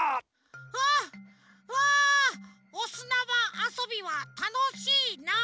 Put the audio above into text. ああおすなばあそびはたのしいなあ！